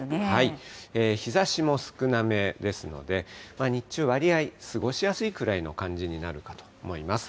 日ざしも少なめですので、日中、わりあい過ごしやすいくらいの感じになるかと思います。